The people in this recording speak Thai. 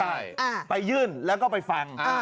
ใช่ไปยื่นแล้วก็ไปฟัง